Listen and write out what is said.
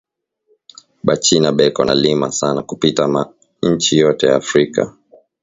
Ba china beko na lima sana kupita ma inchi yote ya afrika